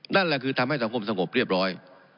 นั่นแหละคือทำให้สังคมสงบเรียบร้อย